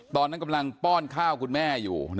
ตอนนั้นกำลังป้อนข้าวคุณแม่อยู่